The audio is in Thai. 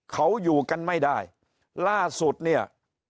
เขาอยู่กันไม่ได้ล่าสุดเนี่ย